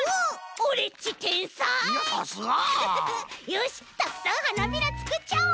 よしたくさんはなびらつくっちゃおう！